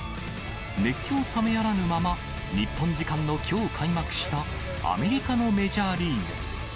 熱狂冷めやらぬまま、日本時間のきょう開幕した、アメリカのメジャーリーグ。